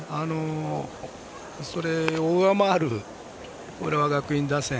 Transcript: それを上回る浦和学院打線